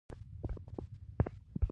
له جېبې قلم راواييستل شو.